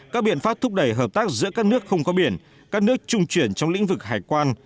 các biện pháp thúc đẩy hợp tác giữa các nước không có biển các nước trung chuyển trong lĩnh vực hải quan